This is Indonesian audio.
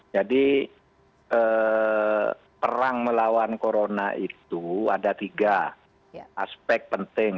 jadi perang melawan corona itu ada tiga aspek penting